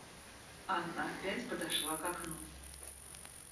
Анна опять подошла к окну.